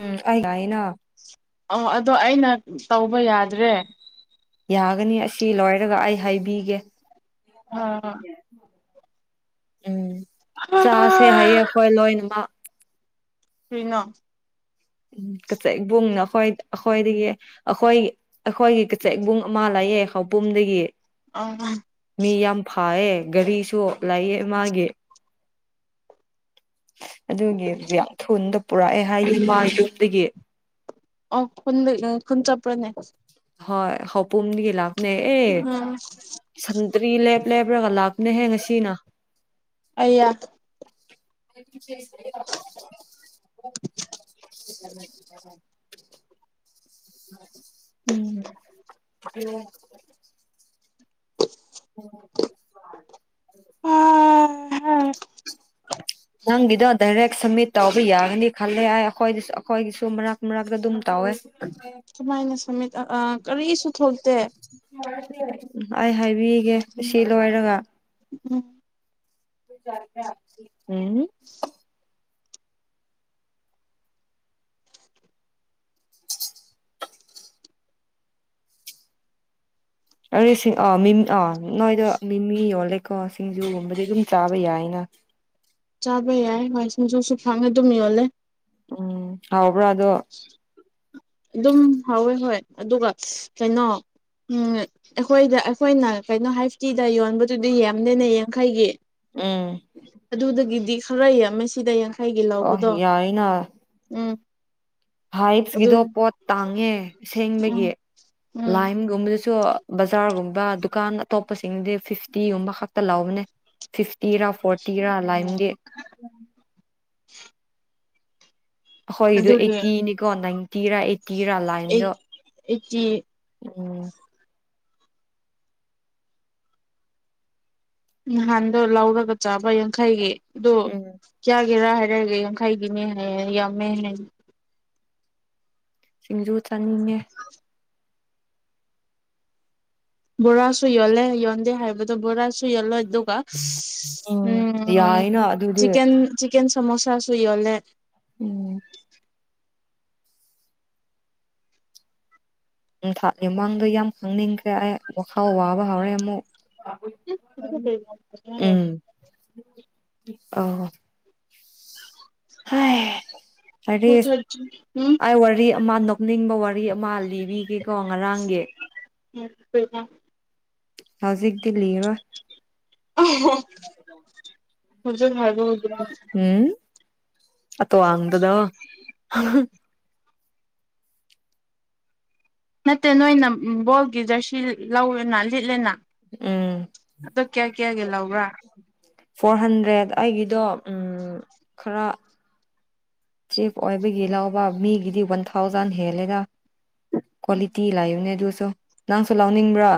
ꯎꯝ ꯅ ꯑꯣ ꯑꯗꯣ ꯑꯩꯅ ꯇꯧꯕ ꯌꯥꯗ꯭ꯔꯦ ꯌꯥꯒꯅꯤ ꯑꯁꯤ ꯂꯣꯏꯔꯒ ꯑꯩ ꯍꯥꯏꯕꯤꯒꯦ ꯍ ꯎꯝ ꯆꯥꯁꯦ ꯍꯥꯏꯌꯦ ꯑꯩꯈꯣꯏ ꯂꯣꯏꯃꯛ ꯀ꯭ꯔꯤꯅꯣ ꯎꯝ ꯀꯆ ꯏꯕꯨꯡꯅ ꯑꯩꯈꯣꯏ ꯑꯩꯈꯣꯏꯗꯒꯤ ꯑꯩꯈꯣꯏ ꯑꯩꯈꯣꯏꯒꯤ ꯀꯆꯦꯛ ꯏꯕꯨꯡ ꯑꯃ ꯂꯌꯦ ꯍꯥꯎ ꯄꯨꯝꯗꯒꯤ ꯗꯒꯤ ꯑ ꯃꯤ ꯌꯥꯝ ꯐꯌꯦ ꯒꯥꯔꯤꯁꯨ ꯂꯩꯌꯦ ꯃꯥꯒꯦ ꯑꯗꯨꯗꯊ ꯄꯨꯔꯛꯑꯦ ꯍꯥꯏꯅꯤ ꯃꯥ ꯆꯨꯞꯇꯒꯤ ꯑꯣꯟ ꯈꯨꯟ ꯆ ꯄꯨꯅꯦ ꯍꯣꯏ ꯍꯄꯝꯒꯂ ꯅꯦ ꯑꯦ ꯎꯝ ꯁꯟꯗ꯭ꯔꯤ ꯂꯦꯞ ꯂꯦꯞ꯭ꯔꯒ ꯂꯥꯞꯅꯦ ꯍꯦ ꯉꯁꯤ ꯆꯤꯅꯥ ꯑꯌꯥ [inaudible] [inaudible] ꯎꯝ ꯎꯝ ꯎꯝ ꯅꯪꯒꯤꯗꯣ ꯗꯥꯏꯔꯦꯛ ꯁꯝꯃꯤꯠ ꯇꯧꯕ ꯌꯥꯒꯅꯤ ꯈꯜꯂꯦ ꯑ ꯑꯩꯈꯣꯏꯁꯨ ꯑꯩꯈꯣꯏꯒꯤꯁꯨ ꯃꯔꯛ ꯃꯔꯛꯇ ꯑꯗꯨꯝ ꯇꯧꯋꯦ ꯁꯨꯃꯥꯏꯅ ꯁꯃꯤꯠ ꯀꯔꯤꯁꯨ ꯊꯣꯛꯇꯦ ꯑꯩ ꯍꯥꯏꯕꯤꯒꯦ ꯁꯤ ꯂꯣꯏꯔꯒ ꯎꯝ ꯆꯔꯗꯦ ꯎꯝ ꯑꯗꯨ ꯑ ꯑꯥ ꯅꯣꯏꯗ ꯃꯤꯃꯤ ꯌꯣꯜꯂꯦꯀꯣ ꯁꯤꯡꯖꯨꯒꯨꯝꯕꯗꯤ ꯑꯗꯨꯝ ꯆꯥꯕ ꯌꯥꯏꯅ ꯆꯥꯕ ꯌꯥꯏ ꯋꯥꯏ ꯁꯤꯡꯖꯨꯁꯨ ꯐꯪꯉꯦ ꯑꯗꯨꯝ ꯌꯣꯜꯂꯦ ꯎꯝ ꯍꯥꯎꯕ꯭ꯔꯣ ꯑꯗꯣ ꯑꯗꯨ ꯑꯗꯨꯝ ꯍꯥꯎꯋꯦ ꯍꯣꯏ ꯑꯗꯨꯒ ꯀꯩꯅꯣ ꯑꯩꯈꯣꯏꯗ ꯑꯩꯈꯣꯏꯅ ꯀꯩꯅꯣ ꯍꯥꯏꯐꯇꯤꯗ ꯌꯣꯟꯕꯗꯨꯗꯤ ꯌꯥꯝꯗꯦꯅꯦ ꯌꯥꯡꯈꯩꯒꯤ ꯎꯝ ꯑꯗ ꯎꯗꯒꯗꯗꯤ ꯣꯔ ꯂꯩꯏ ꯑꯝ ꯃꯃꯦ ꯁꯤꯗꯥꯥꯏ ꯑ ꯌꯥꯏꯅ ꯎꯝ ꯑꯗꯨ ꯍꯥꯏꯞꯁꯀꯤꯗꯣ ꯄꯣꯠ ꯇꯥꯡꯉꯦ ꯎꯝ ꯑꯁꯦꯡꯕꯒꯤ ꯎꯝ ꯂꯥꯏꯝꯒꯨꯝꯕꯗꯁꯨ ꯕꯖꯥꯔꯒꯨꯝꯕ ꯗꯨꯀꯥꯟ ꯑꯇꯣꯞꯄꯁꯤꯡꯗꯤ ꯐꯤꯐꯇꯤꯒꯨꯝꯕ ꯈꯛꯇ ꯂꯕꯅꯦ ꯐꯤꯐꯇꯤꯔꯥ ꯐꯣꯔꯇꯤꯔꯥ ꯂꯥꯏꯝꯗꯤ ꯍꯣꯏ ꯏ ꯑꯗꯨꯒꯤ ꯑꯦꯇꯤꯅꯤꯀꯣꯟꯥꯏ ꯇꯤꯔꯥ ꯇꯤꯔꯥ ꯂꯥꯏꯝꯗ ꯑꯩꯆ ꯎꯝ ꯅꯍꯥꯟꯗꯣ ꯂꯧꯔꯒ ꯆꯥꯕ ꯌꯥꯡꯈꯩꯒꯤ ꯑꯗꯨꯣ ꯎꯝ ꯀ ꯀꯦꯔꯥ ꯍꯥꯏꯔꯒ ꯌꯥꯡꯈꯩꯒꯤꯅꯦ ꯍꯥꯏꯌꯦ ꯌꯥꯝꯃꯦ ꯁꯤꯡꯖꯨ ꯆꯥꯅꯤꯡꯉꯦ ꯕꯣꯔꯥꯁꯨ ꯌꯣꯜꯂꯦ ꯌꯣꯟꯗꯦ ꯍꯥꯏꯕꯗꯣ ꯕꯣꯔꯥꯁꯨ ꯌꯣꯜꯂꯣꯏ ꯎꯝ ꯌꯥꯏꯅ ꯑꯗꯨꯗꯤ ꯆ ꯆ ꯆꯃꯣꯁꯥ ꯁꯨꯏ ꯑꯂꯦ ꯎꯝ ꯊꯥꯠꯂꯤ ꯃꯃꯥꯡꯗꯣ ꯌꯥꯝ ꯈꯪꯅꯤꯡꯈ꯭ꯔꯦ ꯑꯩ ꯋꯥꯈꯥꯎ ꯋꯥꯕ ꯍꯧꯔꯦ ꯑꯃꯨꯛ ꯎꯝ [unintelligible] ꯑꯣ ꯍ ꯍ ꯆꯠ ꯆ ꯑꯥꯏ ꯋꯥꯔꯤ ꯃꯥ ꯅ ꯀꯞꯅꯤꯡꯕ ꯋꯥꯔꯤ ꯑꯃꯜꯂꯤ ꯤ ꯀꯦ ꯀꯧꯕ ꯋꯥꯉ ꯔꯒꯦ ꯎꯝ ꯍꯣꯏꯗ ꯍꯧꯖꯤꯛꯗꯤꯜꯂꯤꯔꯣ ꯍꯧꯖꯤꯛ ꯍꯥꯏꯕ ꯎꯝ ꯑꯇꯣꯋꯥꯡꯗꯨꯗ ꯅꯠꯇꯦ ꯅꯣꯏꯅ ꯕꯣꯜꯒꯤ ꯖꯔꯁꯤ ꯂꯧꯔꯦꯅ ꯂꯤꯠꯂꯦꯅ ꯎꯝ ꯑꯗꯣ ꯀꯌꯥ ꯀꯌꯥꯒ ꯂ ꯎ ꯋꯥ ꯐꯣꯔ ꯍꯟꯗ꯭ꯔꯦꯗ ꯑꯩꯒꯤꯗꯣ ꯈꯔ ꯆꯤꯐ ꯑꯣꯏꯕꯒꯤ ꯂꯧꯕ ꯃꯤꯒꯤꯗꯤ ꯋꯥꯟ ꯊꯥꯎꯖꯟ ꯍꯦꯜꯂꯦꯗ ꯀ꯭ꯋꯥꯂꯤꯇꯤ ꯏ ꯂꯑꯅꯦ ꯑꯗꯨ ꯅꯪꯁꯨ ꯂꯥꯎꯅꯤꯡꯕ꯭ꯔꯥ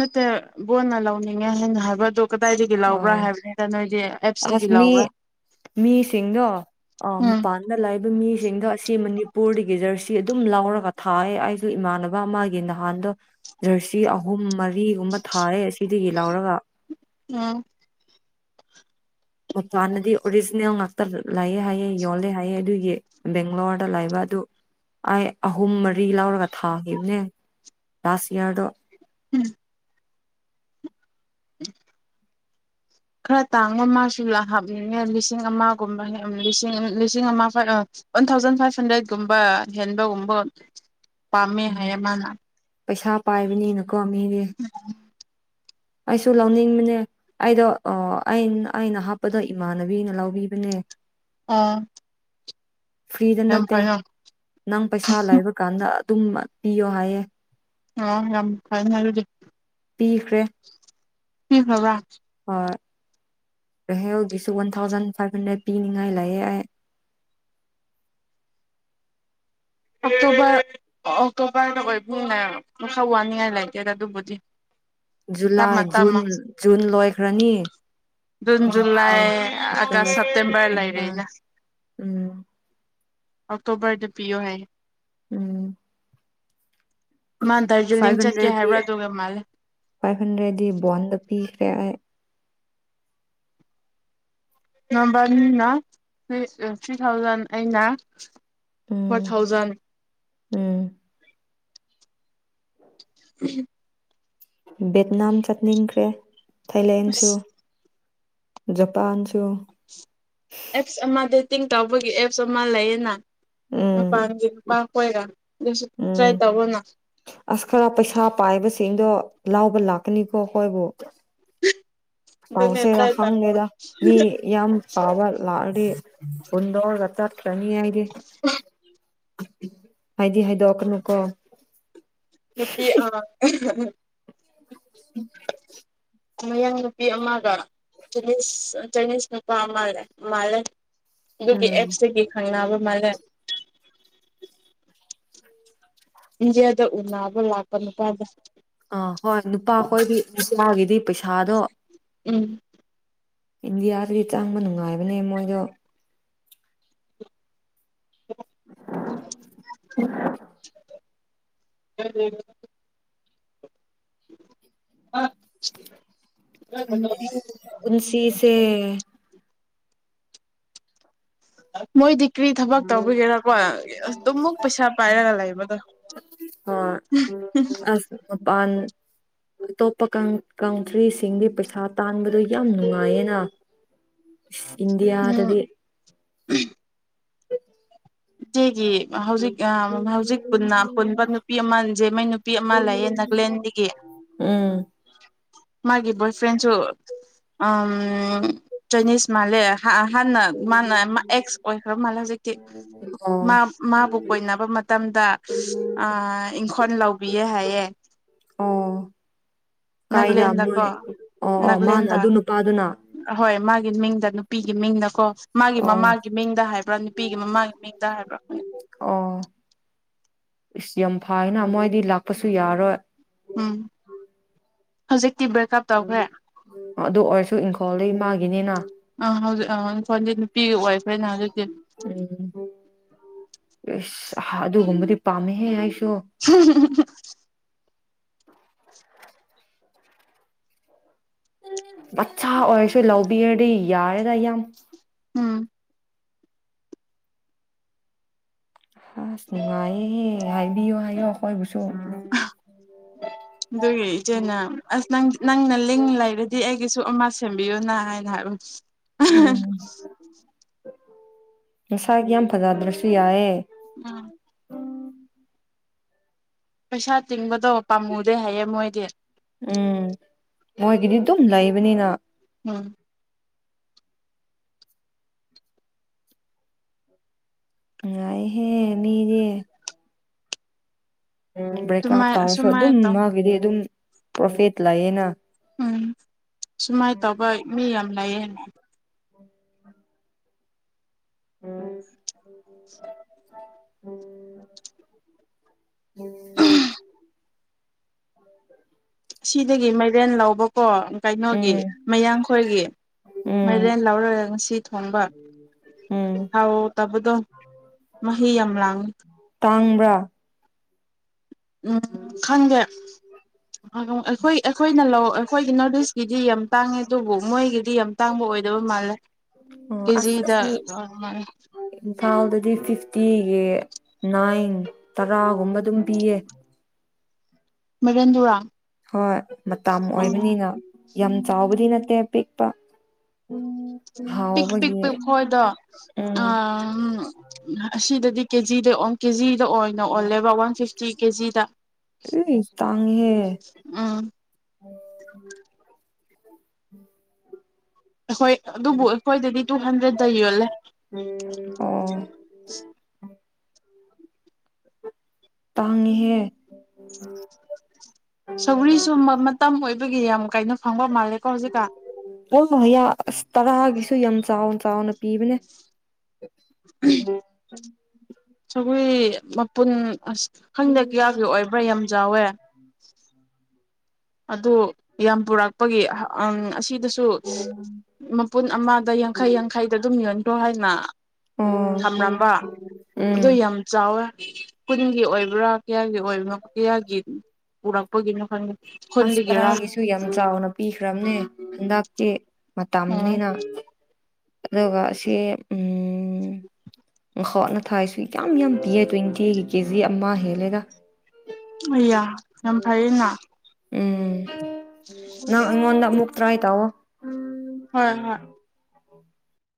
ꯅꯠꯇꯦ ꯕꯣꯟꯅ ꯂꯧꯅꯤꯡꯉꯦ ꯍꯥꯏꯅ ꯍꯥꯏꯕꯗ ꯑ ꯑꯁ ꯑꯦꯞꯁꯇꯒꯤ ꯃꯤ ꯂꯧꯕ꯭ꯔꯥ ꯃꯤꯁꯤꯡꯗꯣ ꯑ ꯎꯝ ꯃꯄꯥꯟꯗ ꯂꯥꯛꯏꯕ ꯃꯤꯁꯤꯡꯗꯣ ꯑꯁꯤ ꯃꯅꯤꯄꯨꯔꯗꯒꯤ ꯖꯔꯁꯤ ꯁꯤ ꯑꯗꯨꯝ ꯂꯧꯔꯒ ꯊꯥꯏ ꯑꯩꯁꯨ ꯏꯃꯥꯟꯅꯕ ꯑꯃꯒꯤ ꯅꯍꯥꯟꯗꯣ ꯖꯔꯁꯤ ꯑꯍꯨꯝ ꯃꯔꯤ ꯎꯃ ꯊꯥꯔꯦ ꯑꯁꯤ ꯑꯗꯨꯒꯤ ꯂꯧꯔꯒ ꯑ ꯃꯄꯥꯟꯗꯗꯤ ꯑꯣꯔꯤꯖꯤꯅꯦꯜ ꯉꯥꯛꯇ ꯂꯥꯛꯑꯦ ꯍꯥꯏꯌꯦꯦ ꯌꯣꯜꯂꯦ ꯍꯥꯏꯑꯦ ꯑꯗꯨꯒꯤ ꯕꯦꯡꯒ꯭ꯂꯣꯔꯗ ꯂꯥꯛꯕ ꯑꯗꯨ ꯑꯩ ꯑꯍꯨꯝ ꯃꯔꯤ ꯂꯧꯔꯒ ꯊꯥꯈꯤꯕꯅꯦ ꯂꯥꯁ ꯏꯌꯥꯔꯗꯣ ꯎꯝ ꯎꯝ ꯈꯔ ꯇꯥꯡꯕ ꯃꯥꯁꯨ ꯂ ꯍꯥꯞꯅꯤꯡꯉꯦ ꯂꯤꯁꯤꯡ ꯑꯃꯒꯨꯝꯕ ꯂꯤꯁꯤꯡ ꯑꯃ ꯐꯥꯏꯚ ꯋꯥꯟ ꯊꯥꯎꯖꯟ ꯐꯥꯏꯚ ꯍꯟꯗ꯭ꯔꯦꯠꯀꯨꯝꯕ ꯍꯦꯟꯕꯒꯨꯝꯕ ꯄꯥꯝꯃꯦ ꯎꯝ ꯍꯥꯏꯌꯦ ꯃꯥꯅ ꯄꯩꯁꯥ ꯄꯥꯏꯕꯅꯤꯅꯀꯣ ꯃꯤꯗꯤ ꯑꯩꯁꯨ ꯂꯧꯅꯤꯡꯕꯅꯦ ꯑꯩꯗꯣ ꯑ ꯑꯩꯅ ꯍꯥꯞꯄꯗꯣ ꯏꯃꯥꯟꯅꯕꯤꯅ ꯂꯧꯕꯤꯕꯅꯦ ꯑꯥ ꯐ꯭ꯔꯤꯗ ꯅꯠꯇꯦ ꯅꯪ ꯄꯩꯁꯥ ꯂꯩꯕ ꯀꯥꯟꯗ ꯑꯗꯨꯝ ꯄꯤꯌꯣ ꯍꯥꯏꯌꯦꯦ ꯑ ꯌꯥꯝ ꯐꯥꯏꯅ ꯄꯤꯈ꯭ꯔꯦ ꯎ ꯍꯕ ꯍ ꯍꯧꯒꯤꯁꯨ ꯋꯥꯟ ꯊꯥꯎꯖꯟ ꯐꯥꯏꯚ ꯍꯟꯗ꯭ꯔꯦꯠ ꯄꯤꯅꯤꯡꯉꯥꯏ ꯂꯥꯛꯑꯦ ꯑꯩ ꯑꯣꯛꯇꯣꯕꯔ ꯑꯣꯛꯇꯣꯕꯔꯗ ꯑꯣꯏꯕꯅꯤꯅ ꯃꯈ ꯈꯔ ꯋꯥꯅꯤꯡꯉꯥꯏ ꯂꯩꯇꯦꯗ ꯑꯗꯨꯕꯨꯗꯤ ꯖꯨꯂꯥꯏ ꯇꯞꯅ ꯖꯨꯟ ꯇꯞꯅ ꯖꯨꯟ ꯂꯣꯏꯈ꯭ꯔꯅꯤ ꯖꯨꯂꯥꯏ ꯑꯥꯒꯁ ꯑꯒꯁ ꯁꯦꯞꯇꯦꯝꯕꯔ ꯂꯩꯔꯦꯅ ꯎꯝ ꯑꯣꯛꯇꯣꯕꯔꯗ ꯄꯤꯌꯣ ꯍꯥꯏꯌꯦ ꯎꯝ ꯃꯥ ꯗꯥꯔꯖꯤꯂꯤꯡ ꯐꯥꯏꯚ ꯆꯠꯀꯦ ꯍꯟꯗ꯭ꯔꯦꯠꯤ ꯍꯥꯏꯕ꯭ꯔꯥ ꯑꯗꯨꯒ ꯃꯥꯜꯂꯦ ꯐꯥꯏꯚ ꯍꯟꯗ꯭ꯔꯦꯠꯗꯤ ꯕꯟꯗ ꯄꯤ ꯍ ꯅꯝꯕꯔꯅꯤꯅꯔꯤ ꯊ꯭ꯔꯤ ꯊꯥꯎꯖꯟ ꯑꯩꯅ ꯐꯣꯔ ꯎꯝ ꯊꯥꯎꯖꯟ ꯎꯝ ꯎꯝ ꯚꯦꯠꯅꯥꯝ ꯆꯠꯅꯤꯡꯈ꯭ꯔꯦ ꯊꯥꯏꯂꯦꯟꯁꯨ ꯑꯁ ꯖꯄꯥꯟꯁꯨ ꯑꯦꯞꯁ ꯑꯃ ꯗꯦꯇꯤꯡ ꯇꯧꯕꯒꯤ ꯑꯦꯞꯁ ꯑꯃ ꯂꯩꯌꯦꯅ ꯄꯄꯥ ꯎꯝ ꯑꯣꯏꯣꯏꯔ ꯎꯝ ꯑꯁ ꯈꯔ ꯄꯩꯁꯥ ꯄꯥꯏꯕꯁꯤꯡꯗꯣ ꯂꯥꯎꯕ ꯂꯥꯛꯀꯅꯤꯀꯣ ꯍꯣꯏꯕꯨꯣ ꯑꯗꯨꯅꯦ ꯄꯥꯎꯁꯦꯗ ꯇ꯭ꯔꯥꯏ ꯇꯧ ꯍꯪꯗꯦꯗ ꯃꯤ ꯌꯥꯝ ꯐꯥꯕ ꯂꯥꯛꯑꯗꯤ ꯄꯨꯨꯟꯗꯣꯛꯔꯒ ꯆꯠꯀ꯭ꯔꯅꯤ ꯍꯥꯏꯗꯤ ꯍꯥꯏꯗꯤ ꯍꯥꯏꯗꯣꯛꯀꯅꯨꯀꯣ ꯅꯨꯄꯤ ꯑ ꯎꯝ ꯃꯌꯥꯡ ꯅꯨꯄꯤ ꯑꯃꯒꯅꯤꯁ ꯆꯥꯏꯅꯤꯁ ꯅꯨꯄꯥ ꯑꯃꯜꯂꯦ ꯃꯥꯜꯂꯦ ꯑꯗꯨꯒꯤ ꯎꯝ ꯑꯦꯞꯁꯇꯗꯒꯤ ꯈꯪꯅꯕ ꯃꯥꯜꯂꯦ ꯏꯟꯗꯤꯦꯗ ꯎꯅꯕ ꯂꯥꯛꯄ ꯅꯨꯄꯥꯥꯟꯗ ꯑꯥ ꯍꯣꯏ ꯅꯨꯄꯥꯈꯣꯏꯕꯤ ꯅꯨꯆꯥꯒꯤꯗꯤ ꯄꯩꯁꯥꯗꯣ ꯎꯝ ꯏꯟꯗꯤꯌꯥꯗꯗꯤ ꯆꯪꯕ ꯅꯨꯡꯉꯥꯏꯕꯅꯦ ꯃꯣꯏꯗꯣ ꯂꯧꯁꯤꯟꯕ ꯉꯝꯗꯕ ꯂꯧꯁꯤꯟꯕ ꯉꯝꯗꯕ ꯂꯧꯁꯤꯟꯕ ꯉꯝꯗꯕ ꯈꯪꯗꯦ ꯑꯩꯈꯣꯏ ꯄꯨꯟꯁꯤꯁꯦ ꯃꯣꯏꯗꯤ ꯀ꯭ꯔꯤ ꯊꯕꯛ ꯇꯧꯕꯒꯤꯔꯥꯀꯣ ꯑ ꯑꯗꯨꯃꯨꯛ ꯄꯩꯁꯥ ꯄꯥꯏꯔꯒ ꯂꯩ ꯀꯩꯅꯣꯝꯇꯥ ꯍꯣꯏ ꯑꯁ ꯃꯄꯥꯟ ꯑꯇꯣꯞꯄ ꯀꯟ ꯀꯟꯇ꯭ꯔꯤꯁꯤꯡꯗꯤ ꯄꯩꯁꯥ ꯇꯥꯟꯕꯗꯣ ꯌꯥꯝ ꯅꯨꯡꯉꯥꯏꯌꯦꯅ ꯏꯁ ꯎꯝ ꯏꯟꯗꯤꯌꯥꯗꯗꯤ ꯏꯆꯦꯒꯤ ꯑꯥ ꯍꯧꯖꯤꯛ ꯑꯥ ꯍꯧꯖꯤꯛ ꯄꯨꯟꯅ ꯄꯨꯟꯕ ꯅꯨꯄꯤ ꯑꯃ ꯖꯦꯃꯩ ꯅꯨꯄꯤ ꯑꯃ ꯂꯩꯌꯦ ꯅꯥꯒꯂꯦꯟ ꯗꯒꯤ ꯎꯝ ꯃꯥꯒꯤ ꯕꯣꯏ ꯐ꯭ꯔꯦꯟꯁꯨ ꯑꯥ ꯎꯝ ꯆꯥꯏꯅꯤꯁ ꯃꯥꯜꯂꯦ ꯍꯥ ꯑ ꯍꯥꯟꯅ ꯃꯥꯅ ꯃꯥ ꯑꯦꯛꯁ ꯑꯣꯏꯈ꯭ꯔ ꯃꯥꯜꯂꯦ ꯍꯧꯖꯤꯛꯇꯤ ꯑꯣ ꯃꯥ ꯃꯥꯕꯨ ꯀꯣꯏꯅꯕ ꯃꯇꯝꯗ ꯑꯥ ꯏꯪꯈꯣꯜ ꯂꯧꯕꯤꯌꯦ ꯍꯥꯏꯌꯦ ꯑꯣ ꯀꯥꯏꯗ ꯃꯣꯏ ꯅꯥꯒꯂꯦꯟꯗꯀꯣ ꯑꯣ ꯑꯣ ꯃꯥꯅ ꯅꯥꯒꯂꯦꯟꯗ ꯑꯗꯨ ꯅꯨꯄꯥꯗꯨꯅ ꯑꯍꯣꯏ ꯃꯥꯒꯤ ꯃꯤꯡꯗ ꯅꯨꯄꯤ ꯒꯤ ꯃꯤꯡꯗꯀꯣ ꯃꯥꯒꯤ ꯑꯣ ꯃꯃꯥꯒꯤ ꯃꯤꯡꯗ ꯍꯥꯏꯕ꯭ꯔꯥ ꯅꯨꯄꯤꯒꯤ ꯃꯃꯥꯒꯤ ꯃꯤꯡꯗ ꯍꯥꯏꯕ꯭ꯔꯥ ꯏꯁꯁ ꯌꯥꯝ ꯐꯥꯏꯅ ꯃꯣꯏꯗꯤ ꯂꯥꯛꯄꯁꯨ ꯌꯥꯔꯣꯏ ꯎꯝ ꯍꯧꯖꯤꯛ ꯇꯤ ꯕ꯭ꯔꯦꯛꯀꯞ ꯇꯧꯈ꯭ꯔꯦ ꯑꯗꯨ ꯑꯣꯏꯔꯁꯨ ꯏꯪꯈꯣꯜꯗꯩ ꯃꯥꯒꯤꯅꯤꯅ ꯑꯥ ꯍꯧꯖꯤꯛ ꯑꯥ ꯐꯣꯟꯗꯤ ꯅꯨꯄꯤꯒꯤ ꯑꯣꯏꯈ꯭ꯔꯦꯅ ꯍꯧꯖꯤꯛꯇꯤ ꯎꯝ ꯑꯍꯥ ꯑꯗꯨꯒꯨꯝꯕꯗꯤ ꯄꯥꯝꯃꯦꯍꯦ ꯑꯩ- ꯎꯝ ꯎꯍꯨꯝ ꯎꯍꯨꯝ ꯎꯍꯨꯝ ꯃꯆꯥ ꯑꯣꯏꯔꯁꯨ ꯂꯧꯕꯤꯔꯗꯤ ꯌꯥꯔꯦꯗ ꯏꯌꯥꯝ ꯎꯝ ꯑꯁ ꯅꯨꯡꯉꯥꯏꯅꯤꯍꯦ ꯍꯥꯏꯕꯤꯌꯣ ꯍꯥꯏꯌꯣ ꯑꯩꯈꯣꯏꯕꯨ- ꯑꯍ ꯑꯗꯨꯒꯤ ꯏꯆꯦꯅ ꯑꯁ ꯅꯪ ꯅꯪꯅ ꯂꯤꯡ ꯂꯩꯔꯗꯤ ꯑꯩꯒꯤꯁꯨ ꯑꯃ ꯁꯦꯝꯕꯤꯌꯨꯅ ꯍꯥꯏ ꯉꯥꯏꯕ ꯎꯝꯁꯤ ꯑꯍ ꯍ ꯃꯁꯛ ꯌꯥꯝ ꯐꯖꯗ꯭ꯔꯁꯨ ꯌꯥꯏꯌꯦ ꯑꯥ ꯄꯩꯁꯥ ꯇꯤꯡꯕꯗꯣ ꯄꯥꯝꯃꯨꯗꯦ ꯍꯥꯏꯌꯦ ꯃꯣꯏꯗꯤ ꯎꯝ ꯃꯣꯏꯒꯤꯗꯤ ꯗꯨꯝ ꯂꯩꯕꯅꯤꯅ ꯎꯝ ꯅꯨꯡꯉꯥꯏꯍꯦ ꯃꯤꯗꯤ ꯕ꯭ꯔꯦꯛ ꯑꯞ ꯁꯨꯃꯥꯏ ꯇꯧꯔꯁꯨ ꯑꯁꯨꯃꯥꯏ ꯑꯗꯨꯝ ꯇꯧ ꯃꯥꯒꯤꯗꯤ ꯑꯗꯨꯝ ꯄ꯭ꯔꯣꯐꯦꯠ ꯂꯌꯦꯅ ꯎꯝ ꯁꯨꯃꯥꯏꯅ ꯇꯧꯕ ꯃꯤ ꯌꯥꯝ ꯂꯩꯌꯦ [inaudible] [inaudible] [inaudible] ꯁꯤꯗꯒꯤ ꯃꯥꯏꯔꯦꯟ ꯂꯧꯕꯀꯣ ꯀꯩꯅꯣꯒꯤ ꯎꯝ ꯃꯌꯥꯡꯈꯣꯏꯒꯤ ꯎꯝ ꯃꯥꯏꯔꯦꯟ ꯂꯧꯔꯒ ꯉꯁꯤ ꯊꯣꯡꯕ ꯎꯝ ꯍꯥꯎ ꯇꯕꯗꯣ ꯃꯍꯤ ꯌꯥꯝ ꯂꯥꯡꯉꯤ ꯇꯥꯡꯕ꯭ꯔꯥ ꯎꯝ ꯈꯪꯗꯦ ꯑꯩꯈꯣꯏ ꯑꯩꯈꯣꯏꯅ ꯂꯧ ꯑꯩꯈꯣꯏꯒꯤ ꯅꯣꯔꯠ ꯏꯁꯀꯤꯗꯤ ꯌꯥꯝ ꯇꯥꯡꯉꯦ ꯑꯗꯨꯕꯨ ꯃꯣꯏꯒꯤꯗꯤ ꯌꯥꯝ ꯇꯥꯡꯕ ꯑꯣꯏꯗꯕ ꯃꯥꯜꯂꯦ ꯑꯣ ꯑꯁ ꯀꯦꯖꯤꯗ ꯑꯁꯤ ꯏꯝꯐꯥꯜꯗꯗꯤ ꯐꯤꯐꯇꯤꯒꯤ ꯅꯥꯏꯟ ꯇꯔꯥꯒꯨꯝꯕ ꯑꯗꯨꯝ ꯄꯤꯌꯦ ꯃꯔꯟ‌ ꯗꯨꯔꯥ ꯍꯣꯏ ꯃꯇꯝ ꯑꯣꯏꯕꯅꯤꯅ ꯌꯥꯝ ꯆꯥꯎꯕꯗꯤ ꯅꯠ ꯇꯦ ꯄꯤꯛꯄ ꯎꯝ ꯄꯤꯛ ꯄꯤꯛ ꯄꯤꯛ ꯍꯣꯏꯗꫭ ꯑ ꯎꯝ ꯑꯁꯤꯗꯗꯤ ꯀꯦꯖꯤꯗ ꯑꯣꯟ ꯀꯦꯖꯤ ꯗ ꯑꯣꯏꯅ ꯑꯣꯜꯂꯦꯕ ꯋꯥꯟ ꯐꯤꯐꯇꯤ ꯀꯦꯖꯤꯗ ꯏꯁ ꯇꯥꯡꯉꯤꯍꯦ ꯎꯝ [inaudible] ꯑꯩꯈꯣꯏ ꯑꯗꯨꯕꯨ ꯑꯩꯈꯣꯏꯗꯗꯤ ꯇꯨ ꯍꯟꯗ꯭ꯔꯦꯠꯇ ꯌꯣꯜꯂꯦ ꯑꯣ ꯇꯥꯡꯉꯤꯍꯦ ꯁꯧꯔꯤꯁꯨ ꯃ ꯃꯇꯝ ꯑꯣꯏꯕꯒꯤ ꯌꯥꯝ ꯀꯥꯏꯅꯣ ꯐꯪꯕ ꯃꯥꯜꯂꯦꯀꯣ ꯍꯧꯖꯤꯛꯀꯥꯟ ꯑꯣ ꯍꯌꯥ ꯑꯁ ꯇꯔꯥꯒꯤꯁꯨ ꯌꯥꯝ ꯆꯥꯎꯅ ꯆꯥꯎꯅ ꯄꯤꯕꯅꯦ [inaudible] ꯁꯧꯒ꯭ꯔꯤ ꯃꯄꯨꯟ ꯈꯪꯗꯦ ꯀꯌꯥꯒꯤ ꯑꯣꯏꯕ꯭ꯔꯥ ꯌꯥꯝ ꯆꯥꯎꯋꯦ ꯑꯗꯨ ꯌꯥꯝ ꯄꯨꯔꯛꯄꯒꯤ ꯑꯍ ꯑꯝ ꯑꯁꯤ ꯑꯗꯨꯁꯨ ꯃꯄꯨꯟ ꯑꯃꯗ ꯌꯥꯡꯈꯩ ꯌꯥꯡꯈꯩꯗ ꯑꯗꯨꯝ ꯌꯣꯟꯈ꯭ꯔꯣ ꯍꯥꯏꯅ ꯑꯣ ꯊꯝꯔꯝꯕ ꯎꯝ ꯑꯗꯨ ꯌꯥꯝ ꯆꯥꯎꯋꯦ ꯀꯨꯟꯒꯤ ꯑꯣꯏꯕ꯭ꯔꯥ ꯀꯌꯥꯒꯤ ꯑꯣꯏꯕꯅꯣ ꯀꯌꯥꯒꯤ ꯄꯨꯔꯛꯄꯒꯤꯅꯣ ꯈꯪ ꯑꯁ ꯇꯔꯥꯒꯤꯁꯨ ꯌꯥꯝ ꯆꯥꯎꯅ ꯄꯤꯈ꯭ꯔꯕꯅꯦ ꯍꯟꯗꯛꯇꯤ ꯎꯝ ꯃꯇꯝꯅꯤꯅ ꯑꯗꯨꯒ ꯑꯁꯤ ꯎꯝ ꯎꯝꯠꯅ ꯊꯥ ꯁꯛ ꯌꯥꯝ ꯌꯥꯝ ꯄꯤꯌꯦ ꯇ꯭ꯋꯦꯟꯇꯤ ꯑꯩꯒꯤ ꯀꯦꯖꯤ ꯑꯃ ꯍꯦꯜꯂꯦꯒ ꯑꯌꯥ ꯌꯥꯝ ꯐꯥꯏꯅ ꯎꯝ ꯅ ꯏꯉꯣꯟꯗ ꯄ꯭ꯔ ꯍꯥꯏꯥꯏ ꯇꯑꯣꯣ ꯍꯣꯏ ꯍꯣꯏ